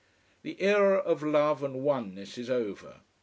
The era of love and oneness is over.